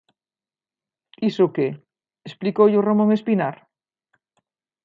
Iso que, ¿explicoullo Ramón Espinar?